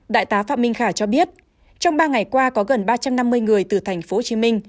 đại tá phạm minh khả cho biết trong ba ngày qua có gần ba trăm năm mươi người từ tp hcm